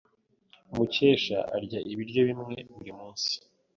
Mukesha arya ibiryo bimwe buri munsi.